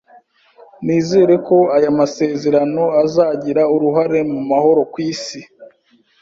Nizere ko aya masezerano azagira uruhare mu mahoro ku isi.